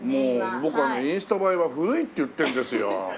僕はねインスタ映えは古いって言ってるんですよ。